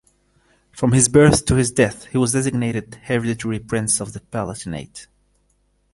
From his birth to his death, he was designated “Hereditary Prince of the Palatinate”.